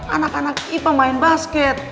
anak anak kita main basket